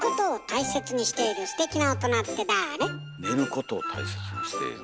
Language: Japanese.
寝ることを大切にしている。